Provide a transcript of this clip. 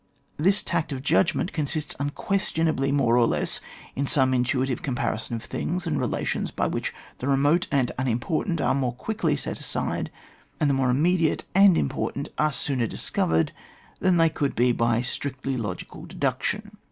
This tact of judgment consists unques tionably more or less in some intuitive comparison of things and relations by which the remote and unimportant 'are more quickly set aside, and the more im mediate and important are sooner dis covered than they could be by stricUy logical deduction.